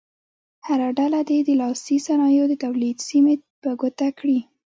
هره ډله دې د لاسي صنایعو د تولید سیمې په ګوته کړي.